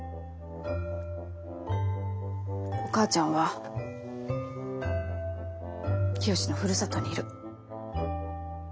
お母ちゃんはきよしのふるさとにいる。